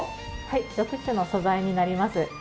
６種の素材になります。